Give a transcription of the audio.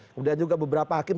kemudian juga beberapa hakim